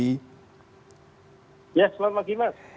ya selamat pagi mas